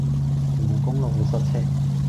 屯門公路好塞車